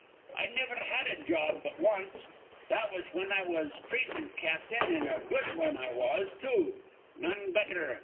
I niver had a job but wanst. That was whin I was precin't cap'n; an' a good wan I was, too. None betther.